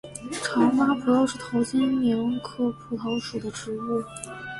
长花蒲桃是桃金娘科蒲桃属的植物。